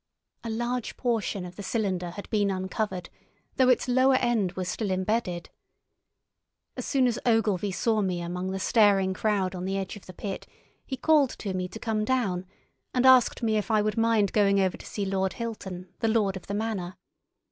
A large portion of the cylinder had been uncovered, though its lower end was still embedded. As soon as Ogilvy saw me among the staring crowd on the edge of the pit he called to me to come down, and asked me if I would mind going over to see Lord Hilton, the lord of the manor.